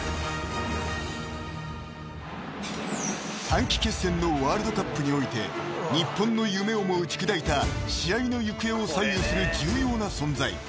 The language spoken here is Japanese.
［短期決戦のワールドカップにおいて日本の夢をも打ち砕いた試合の行方を左右する重要な存在。